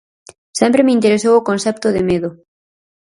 Sempre me interesou o concepto de medo.